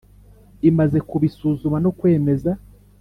imaze kubisuzuma no kwemeza